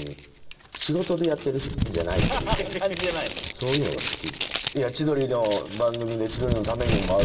そういうのが好き。